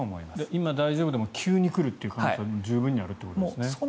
今、大丈夫でも急に来るという可能性は十分にあるということですね。